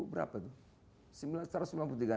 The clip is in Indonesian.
satu ratus sembilan puluh berapa tuh